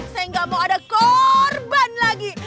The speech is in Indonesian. saya nggak mau ada korban lagi